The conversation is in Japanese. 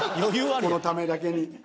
このためだけに。